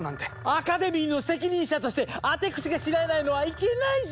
アカデミーの責任者としてアテクシが知らないのはいけないじゃない！